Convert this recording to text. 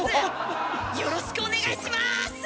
よろしくお願いします！